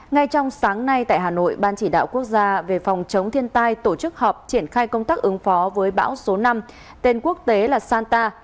ngay trong sáng nay tại hà nội ban chỉ đạo quốc gia về phòng chống thiên tai tổ chức họp triển khai công tác ứng phó với bão số năm tên quốc tế là santa